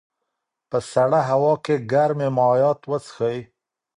په سړه هوا کې ګرمې مایعات وڅښئ.